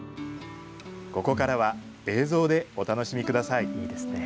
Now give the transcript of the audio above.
ここからは映像でお楽しみください。